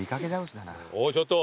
おいちょっと！